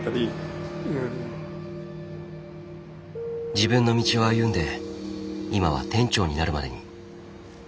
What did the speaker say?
自分の道を歩んで今は店長になるまでに。